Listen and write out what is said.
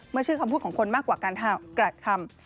ชื่อคำพูดของคนมากกว่าการกระทำ